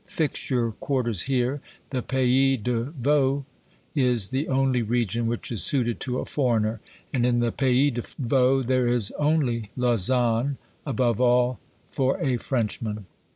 Fix your quarters here ; the pays de Vaud is the only region which is suited to a foreigner ; and in the pays de Vaud there is only Lausanne, above all for a Frenchman.